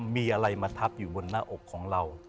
มีอะไรมาทับอยู่บนหน้าอกของเรา